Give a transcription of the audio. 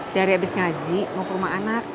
dari abis ngaji mau ke rumah anak